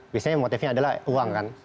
biasanya motifnya adalah uang kan